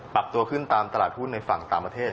ปรับตัวขึ้นตามตลาดหุ้นในฝั่งต่างประเทศ